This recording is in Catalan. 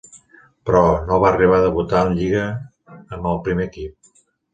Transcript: Però, no va arribar a debutar en Lliga amb el primer equip.